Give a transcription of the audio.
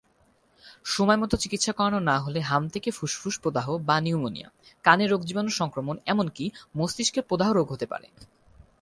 সময়মতো চিকিৎসা করানো না হলে হাম থেকে ফুসফুস প্রদাহ বা নিউমোনিয়া, কানে রোগজীবাণু সংক্রমণ এমনকি মস্তিষ্কে প্রদাহ রোগ হতে পারে।